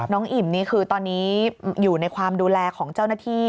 อิ่มนี่คือตอนนี้อยู่ในความดูแลของเจ้าหน้าที่